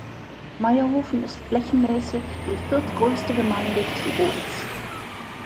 Mayrhofen ist flächenmäßig die viertgrößte Gemeinde Tirols.